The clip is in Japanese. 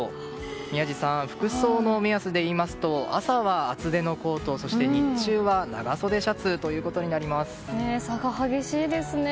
宮司さん、服装の目安で言うと朝は厚手のコート、そして日中は差が激しいですね。